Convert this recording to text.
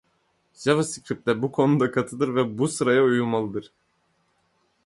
He is currently the head coach of Catania.